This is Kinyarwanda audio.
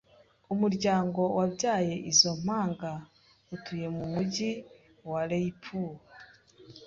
Umuryango wabyaye izo mpanga utuye mu Mujyi wa Rayipur.